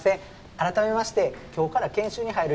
改めまして今日から研修に入る